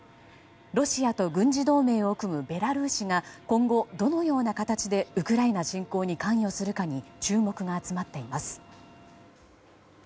ロシアと軍事同盟を組むベラルーシが今後、どのような形でウクライナ侵攻に関与するかに注目が集まっています。